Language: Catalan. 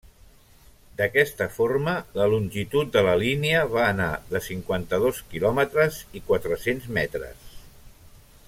D'aquesta forma la longitud de la línia va anar de cinquanta-dos quilòmetres i quatre-cents metres.